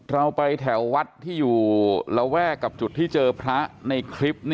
เราไปแถววัดที่อยู่ระแวกกับจุดที่เจอพระในคลิป